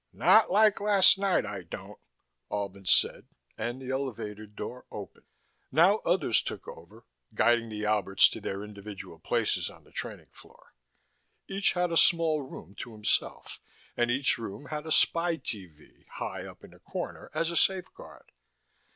"Not like last night, I don't," Albin said, and the elevator door opened. Now others took over, guiding the Alberts to their individual places on the training floor. Each had a small room to himself, and each room had a spy TV high up in a corner as a safeguard.